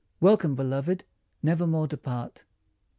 Welcome, beloved ! never more depart.